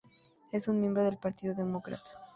Es un miembro del Partido Demócrata.